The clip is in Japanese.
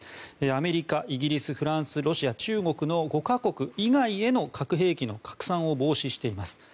アメリカ・イギリス、フランスロシア、中国５か国以外への核兵器の拡散を防止しています。